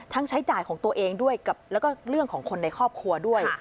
ใช้จ่ายของตัวเองด้วยแล้วก็เรื่องของคนในครอบครัวด้วย